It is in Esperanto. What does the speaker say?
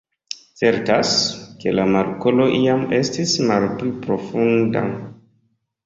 Certas, ke la markolo iam estis malpli profunda.